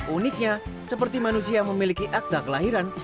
uniknya seperti manusia yang memiliki akta kelahiran